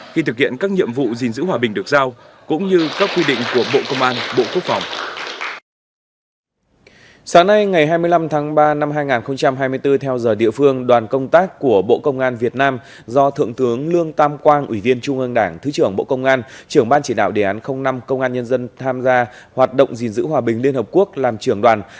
khi thực hiện các nhiệm vụ gìn giữ hòa bình được giao cũng như các quy định của bộ công an bộ quốc phòng